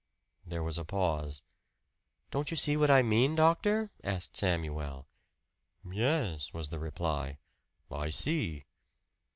There was a pause. "Don't you see what I mean, doctor?" asked Samuel. "Yes," was the reply, "I see."